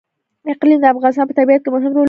اقلیم د افغانستان په طبیعت کې مهم رول لري.